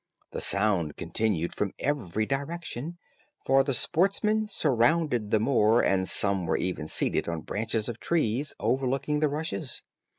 The sound continued from every direction, for the sportsmen surrounded the moor, and some were even seated on branches of trees, overlooking the rushes.